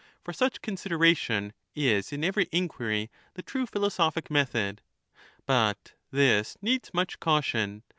1216" ETHICA EUDEMIA for such consideration is in every inquiry the truly philo sophic method. But this needs much caution.